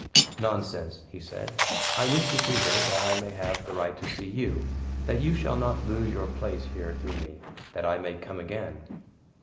"Nonsense," he said. "I wish to see her that I may have the right to see you that you shall not lose your place here through me; that I may come again."